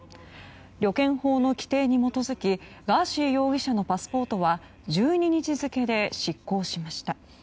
旅券法の規定に基づきガーシー容疑者のパスポートは１２日付で失効しました。